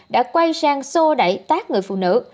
đã quay sang xô đẩy tác người phụ nữ